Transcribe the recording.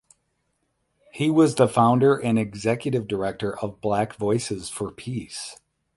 He was the founder and executive director of Black Voices for Peace.